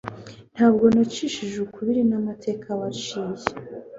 nta bwo nacishije ukubiri n'amateka waciye